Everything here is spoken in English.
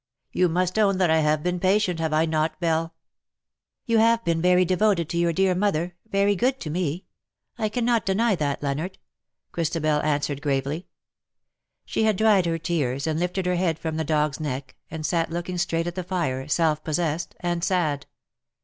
You must own that I have been patient, have I not. Belle V " You have been very devoted to your dear mother — very good to me. I cannot deny that, Leonard," Christabel answered gravely. She had dried her tears, and lifted her head from the dog^s neck, and sat looking straight at the fire, self possessed and sad.